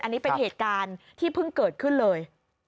อันนี้เป็นเหตุการณ์ที่เพิ่งเกิดขึ้นเลย